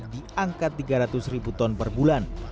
diangkat rp tiga ratus per bulan